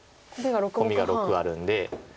コミが６あるんで。